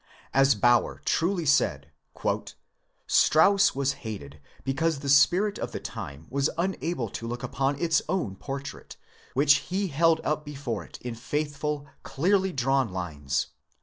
"Strauss was hated," as Baur truly said, " because the spirit of the time was unable to look upon its own portrait, which he held up before it in faithful, clearly drawn lines.